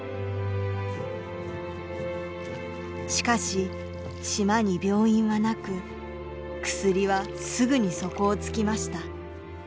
しかし島に病院はなく薬はすぐに底をつきました。